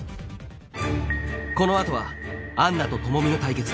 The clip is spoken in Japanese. この後はアンナと朋美の対決